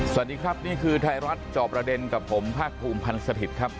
สวัสดีครับนี่คือไทยรัฐจอบประเด็นกับผมภาคภูมิพันธ์สถิตย์ครับ